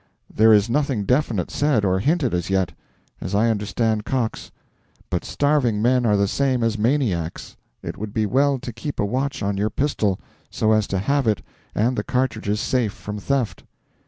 There is nothing definite said or hinted as yet, as I understand Cox; but starving men are the same as maniacs. It would be well to keep a watch on your pistol, so as to have it and the cartridges safe from theft.